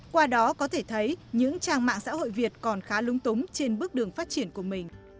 qua đó có thể thấy những trang mạng xã hội việt còn khá lúng túng trên bước đường phát triển của mình